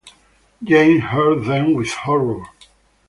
Jane heard them with horror.